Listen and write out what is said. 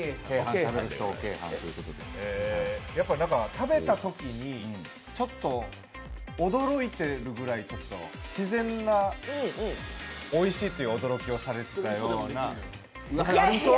食べたときにちょっと驚いてるぐらい自然なおいしいっていう驚きをされてたんで。